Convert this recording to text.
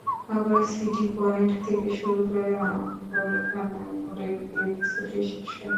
নগরের city point থেকে শুরু হয়ে আম্বরখানা মোড়ে গিয়ে মিছিলটি শেষ হয়।